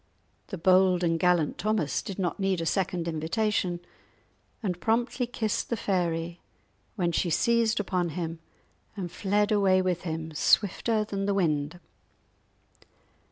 The bold and gallant Thomas did not need a second invitation, and promptly kissed the fairy, when she seized upon him and fled away with him swifter than the wind.